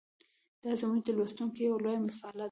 دا زموږ د لوستونکو یوه لویه مساله ده.